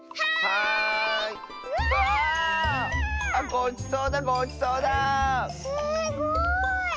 すごい。